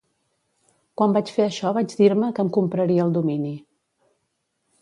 Quan vaig fer això vaig dir-me que em compraria el domini.